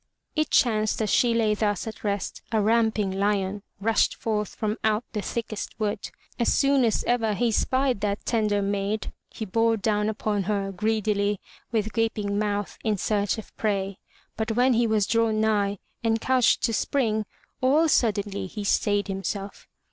It chanced as she lay thus at rest, a ramping lion rushed forth from out the thickest wood. As soon as ever he spied that tender maid, he bore down upon her greedily with gaping mouth in search of prey. But when he was drawn nigh, and couched to spring, all suddenly he stayed himself.